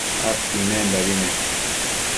adquidmendabi ne